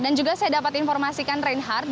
dan juga saya dapat informasikan reinhardt